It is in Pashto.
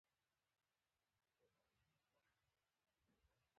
هر لیکوال باید د خپلې لیکنې مسؤلیت واخلي.